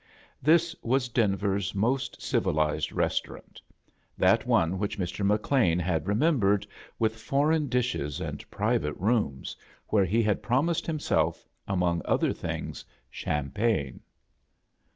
Tliis was Denver's most civilized restaurant —'■ that one which Mr. McLean had remem bered, with foreign dishes and private rooms» where he had promised tiimself, among ottier things, champagne.